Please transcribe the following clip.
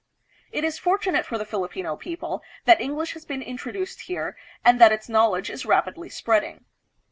It is fortunate for the Filipino people that English has been introduced here and that its knowledge is rapidly spreading.